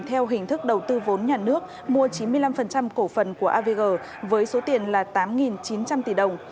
theo hình thức đầu tư vốn nhà nước mua chín mươi năm cổ phần của avg với số tiền là tám chín trăm linh tỷ đồng